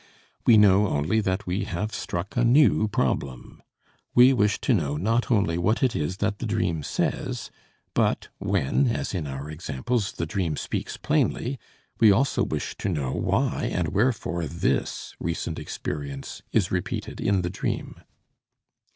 We know only that we have struck a new problem. We wish to know not only what it is that the dream says, but when, as in our examples, the dream speaks plainly, we also wish to know why and wherefore this recent experience is repeated in the dream.